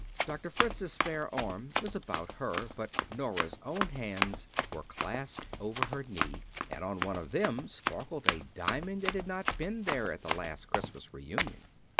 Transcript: Doctor Fritz's spare arm was about her, but Nora's own hands were clasped over her knee, and on one of them sparkled a diamond that had not been there at the last Christmas reunion.